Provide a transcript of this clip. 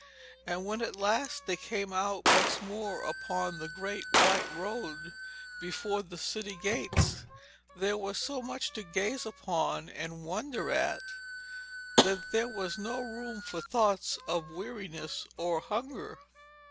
And when at last they came out once more upon the great white road before the city gates, there was so much to gaze upon and wonder at, that there was no room for thoughts of weariness or hunger.